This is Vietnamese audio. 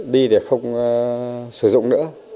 đi để không sử dụng nữa